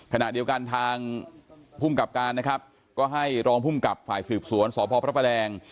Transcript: ขณะเดียวกันทางภูมิกับการนะครับก็ให้รองภูมิกับฝ่ายสืบสวนสพพระประแดง